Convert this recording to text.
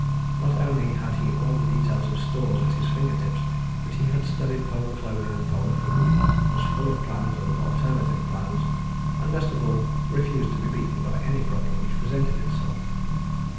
Not only had he all the details of stores at his finger tips, but he had studied polar clothing and polar food, was full of plans and alternative plans, and, best of all, refused to be beaten by any problem which presented itself.